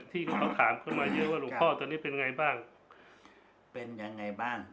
ที่เขาถามขึ้นมาเยอะว่าหลวงพ่อตอนนี้เป็นไงบ้างเป็นยังไงบ้าง